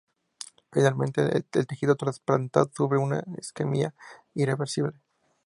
Finalmente, el tejido trasplantado sufre una isquemia irreversible.